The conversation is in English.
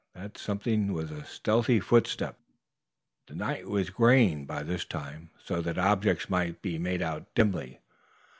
That something was a stealthy footstep. The night was graying by this time, so that objects might be made out dimly.